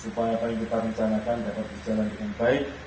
supaya apa yang kita rencanakan dapat berjalan dengan baik